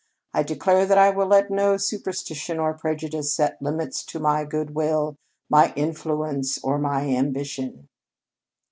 I declare that I will let no superstition or prejudice set limits to my good will, my influence, or my ambition!"